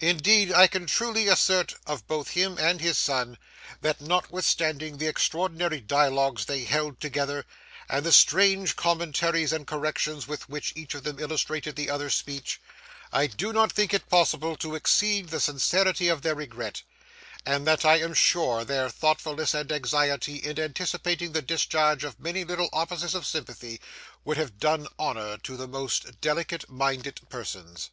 Indeed, I can truly assert of both him and his son, that notwithstanding the extraordinary dialogues they held together, and the strange commentaries and corrections with which each of them illustrated the other's speech, I do not think it possible to exceed the sincerity of their regret; and that I am sure their thoughtfulness and anxiety in anticipating the discharge of many little offices of sympathy would have done honour to the most delicate minded persons.